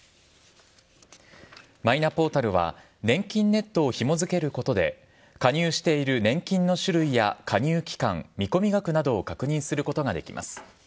マイナポータルは、ねんきんネットをひも付けることで、加入している年金の種類や加入期間、見込み額などを確認することができます。